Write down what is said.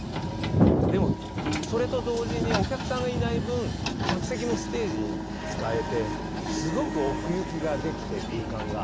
でも、それと同時にお客さんがいない分客席もステージに使えてすごく奥行きができて、空間が。